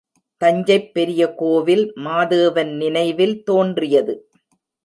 தஞ்சைப் பெரிய கோவில் மாதேவன் நினைவில் தோன்றியது.